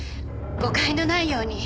誤解のないように。